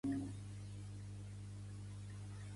Això produeix un efecte de trèmolo característic del vibràfon.